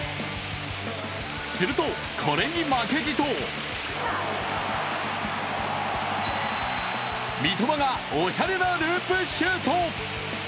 すると、これに負けじと三笘がおしゃれなループシュート。